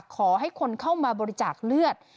ขอให้คนเข้ามาบริจาคเลือด